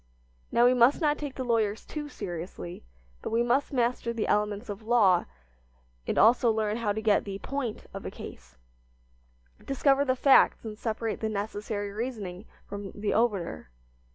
Now, we must not take the lawyers too seriously, but we must master the elements of law and also learn how to get the "point" of a case, discover the facts and separate the necessary reasoning from the obiter.